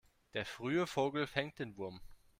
Der frühe Vogel fängt den Wurm.